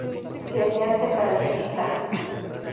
Sería separatista.